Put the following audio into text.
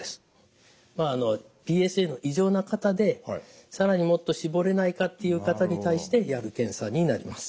ＰＳＡの異常な方で更にもっと絞れないかっていう方に対してやる検査になります。